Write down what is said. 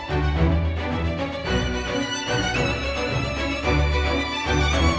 oma kenapa oma